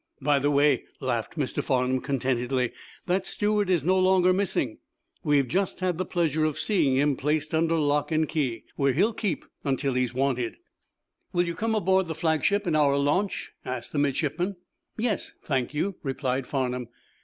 "By the way," laughed Mr. Farnum, contentedly, "that steward is no longer missing. We've just had the pleasure of seeing him placed under lock and key, where he'll keep until he's wanted." "Will you come aboard the flagship in our launch?" asked the midshipman. "Yes, thank you," replied Farnum.